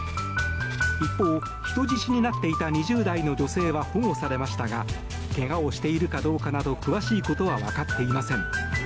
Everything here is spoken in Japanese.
一方、人質になっていた２０代の女性は保護されましたがけがをしているかどうかなど詳しいことは分かっていません。